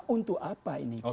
untuk apa ini